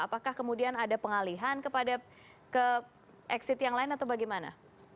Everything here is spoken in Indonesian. apakah kemudian ada pengalihan ke exit yang lain atau bagaimana